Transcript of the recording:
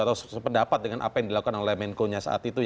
atau sependapat dengan apa yang dilakukan oleh mereka